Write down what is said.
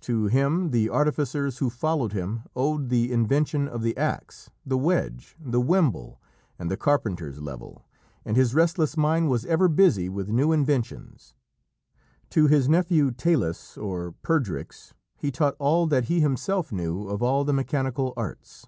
To him the artificers who followed him owed the invention of the axe, the wedge, the wimble, and the carpenter's level, and his restless mind was ever busy with new inventions. To his nephew, Talus, or Perdrix, he taught all that he himself knew of all the mechanical arts.